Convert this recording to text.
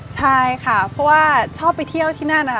ใช่ค่ะเพราะว่าชอบไปเที่ยวที่นั่นนะคะ